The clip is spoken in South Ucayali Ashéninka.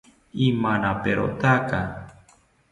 Imanaperotaka